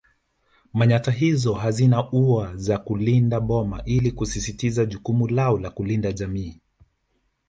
Manyatta hizo hazina ua za kulinda boma ili kusisitiza jukumu lao la kulinda jamii